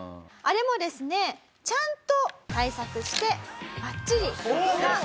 あれもですねちゃんと対策してバッチリ録画。